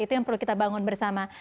itu yang perlu kita bangun bersama